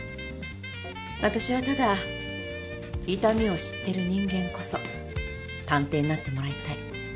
私はただ痛みを知ってる人間こそ探偵になってもらいたい。